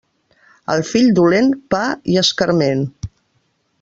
Al fill dolent, pa i escarment.